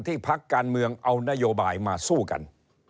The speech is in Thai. พักการเมืองเอานโยบายมาสู้กัน